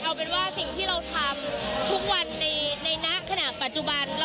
เอาเป็นว่าสิ่งที่เราทำทุกวันในขณะปัจจุบัน